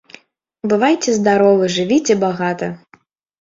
Бывайце здаровы, жывіце багата!